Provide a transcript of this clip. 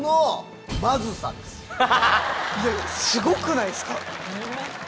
すごくないっすか？